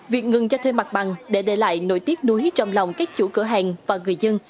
việc ngừng cho thuê mặt bằng để để lại nổi tiếc núi trong lòng các chủ cửa hàng và người dân